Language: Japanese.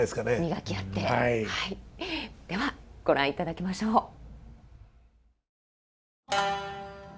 ではご覧いただきましょう。